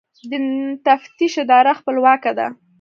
د تفتیش اداره خپلواکه ده؟